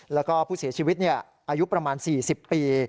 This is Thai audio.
แล้วก็ผู้เสียชีวิตอายุประมาณ๔๐ปี